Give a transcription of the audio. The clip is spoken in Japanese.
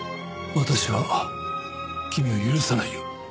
私は君を許さないよ。